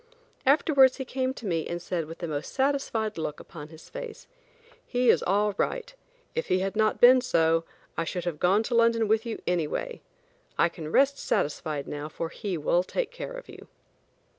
Afterwards he came to me and said with the most satisfied look upon his face: "He is all right. If he had not been so, I should have gone to London with you anyway. I can rest satisfied now for he will take care of you."